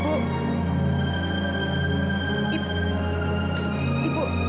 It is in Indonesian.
ibu cuma terharu mendengar cerita non evita